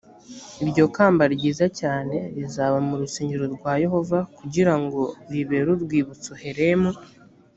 iryo kamba ryiza cyane rizaba mu rusengero rwa yehova kugira ngo ribere urwibutso helemu